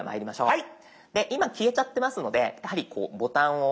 はい。